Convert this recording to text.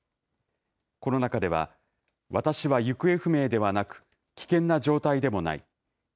この中では、私は行方不明ではなく、危険な状態でもない。